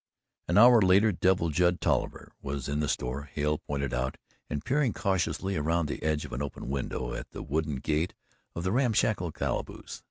An hour later Devil Judd Tolliver was in the store Hale pointed out and peering cautiously around the edge of an open window at the wooden gate of the ramshackle calaboose.